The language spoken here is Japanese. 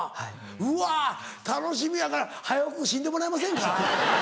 うわ楽しみやから早く死んでもらえませんか？